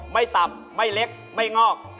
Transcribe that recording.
ตับไม่เล็กไม่งอก